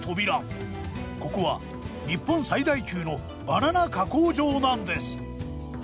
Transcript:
ここは日本最大級のバナナ加工場なんです。